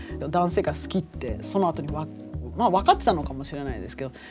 男性が好きってそのあとに分かってたのかもしれないですけど。